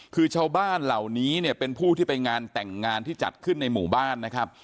คือชาวบ้านเหล่านี้เนี่ยเป็นผู้ที่ไปงานแต่งงานที่จัดขึ้นในหมู่บ้านนะครับ